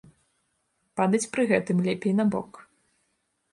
Падаць пры гэтым лепей на бок.